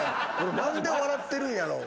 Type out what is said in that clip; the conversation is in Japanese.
何で笑ってるんやろう？